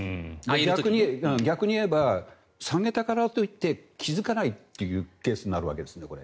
逆に言えば、下げたからといって気付かないケースになるんです。